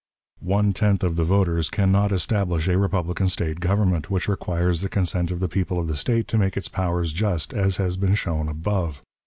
One tenth of the voters can not establish a republican State government, which requires the consent of the people of the State to make its powers just, as has been shown above.